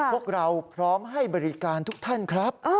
พวกเราพร้อมให้บริการทุกท่านครับ